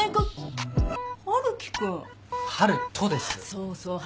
そうそう。